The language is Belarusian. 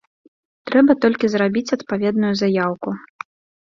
Трэба толькі зрабіць адпаведную заяўку.